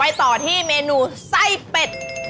ต่อที่เมนูไส้เป็ด